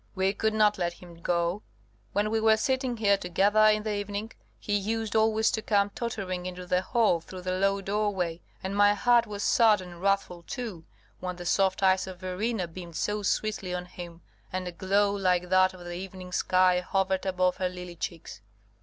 We could not let him go. When we were sitting here together in the evening, he used always to come tottering into the hall through the low doorway; and my heart was sad and wrathful too, when the soft eyes of Verena beamed so sweetly on him, and a glow like that of the evening sky hovered over her lily cheeks.